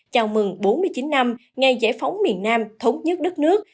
chào mừng bốn mươi chín năm ngày giải phóng miền nam thống nhất đất nước